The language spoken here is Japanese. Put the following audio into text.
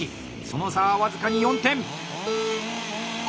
その差は僅かに４点！